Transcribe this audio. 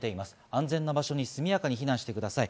安全な場所に速やかに避難してください。